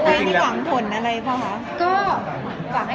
แข้มหวังผลอะไร